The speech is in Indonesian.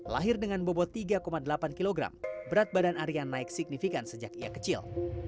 lahir dengan bobot tiga delapan kg berat badan arya naik signifikan sejak ia kecil